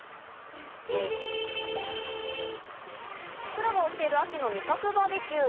プロが教える秋の味覚バーベキュー。